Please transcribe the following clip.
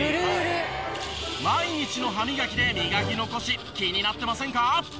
毎日の歯磨きで磨き残し気になってませんか？